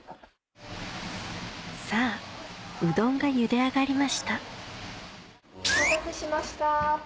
さぁうどんがゆで上がりましたお待たせしました。